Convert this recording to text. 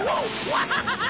ワハハハ！